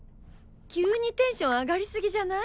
急にテンション上がりすぎじゃない？